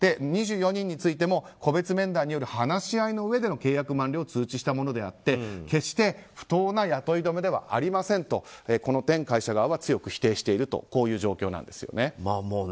２４人についても個別面談による話し合いのうえでの契約満了を通知したものであって決して不当な雇い止めではありませんとこの点、会社側は強く否定しているという状況です。